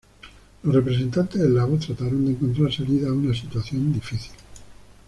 Los representantes eslavos trataron de encontrar salida a una situación difícil.